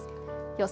予想